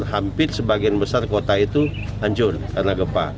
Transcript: hampir sebagian besar kota itu hancur karena gempa